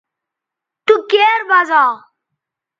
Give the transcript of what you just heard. تو کیر بزا